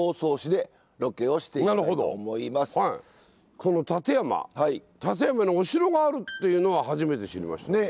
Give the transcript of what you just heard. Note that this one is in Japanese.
この館山館山にお城があるっていうのは初めて知りました。